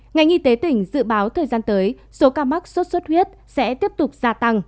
ngành y tế tỉnh dự báo thời gian tới số ca mắc sốt xuất huyết sẽ tiếp tục gia tăng